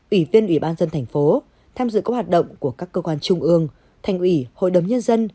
ủy viên ubnd tp hcm tham dự các hoạt động của các cơ quan trung ương thành ủy hội đấm nhân dân